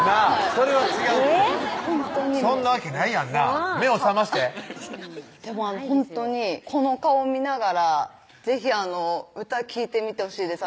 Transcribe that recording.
それは違うってそんなわけないやんなぁ目を覚ましてでもほんとにこの顔見ながら是非歌聴いてみてほしいです